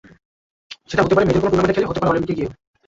সেটা হতে পারে মেজর কোনো টুর্নামেন্টে খেলে, হতে পারে অলিম্পিকে গিয়েও।